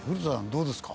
どうですか？